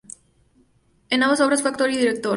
En ambas obras fue actor y director.